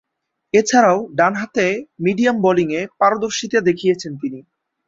এছাড়াও, ডানহাতে মিডিয়াম বোলিংয়ে পারদর্শিতা দেখিয়েছেন তিনি।